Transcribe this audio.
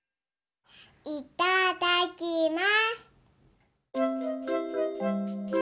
いただきます。